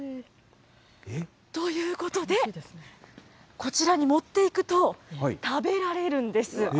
ということで、こちらに持っていくと、食べられるんです。